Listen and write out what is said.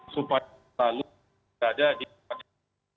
supaya lalu tidak ada di dalam